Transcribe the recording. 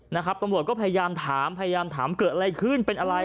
ตำรวจก็พยายามถามพยายามถามเกิดอะไรขึ้นเป็นอะไร